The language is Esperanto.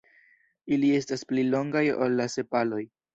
Ili estas pli longaj ol la sepaloj.